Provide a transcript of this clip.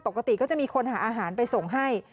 ปกติก็จะมีคนหาอาหารไปส่งให้